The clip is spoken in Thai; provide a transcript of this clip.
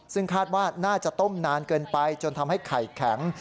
ซึ่งคาดว่าน่าจะต้มนานเกินไปจนทำให้ไข่แข็ง